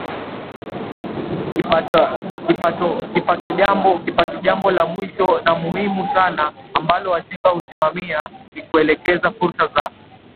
kipatoJambo la mwisho na muhimu sana ambalo washenga husimamia ni kuelekeza fursa za